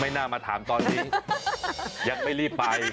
ไม่น่ามาถามตอนนี้อยากไปรีบไป